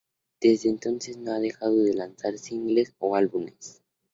Desde entonces no ha dejado de lanzar singles o álbumes.